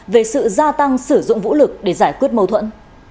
về sự gia tăng sử dụng vũ lực để giải quyết mâu thuẫn